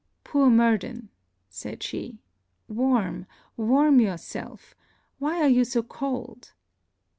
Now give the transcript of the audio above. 'Poor Murden!' said she, 'Warm! warm yourself! Why are you so cold?'